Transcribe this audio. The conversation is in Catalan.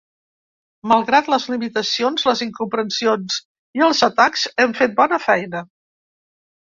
Malgrat les limitacions, les incomprensions i els atacs, hem fet bona feina.